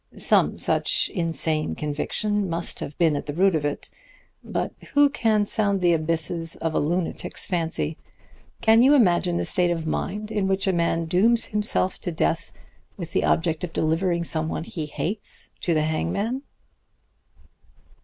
Some such insane conviction must have been at the root of it. But who can sound the abysses of a lunatic's fancy? Can you imagine the state of mind in which a man dooms himself to death with the object of delivering someone he hates to the hangman?"